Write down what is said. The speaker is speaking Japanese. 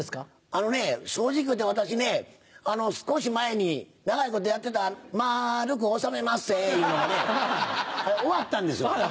あのね正直言うて私ね少し前に長いことやってた「まぁるくおさめまっせ」いうのがね終わったんですわ。